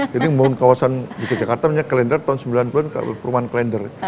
jadi mau kawasan di jakarta punya kalender tahun sembilan puluh an perumahan kalender